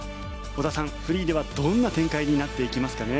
織田さん、フリーではどんな展開になっていきますかね。